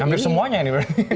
hampir semuanya ini berarti